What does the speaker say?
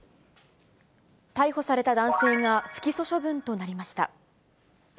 逮捕された男性が、不起訴処分となりました。